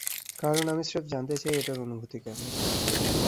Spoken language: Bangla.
কারণ আমি স্রেফ জানতে চাই এটার অনুভূতি কেমন।